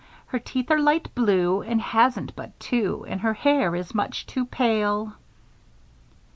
Her teeth are light blue She hasn't but two And her hair is much too pale.